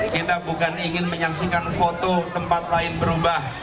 kita bukan ingin menyaksikan foto tempat lain berubah